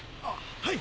はい！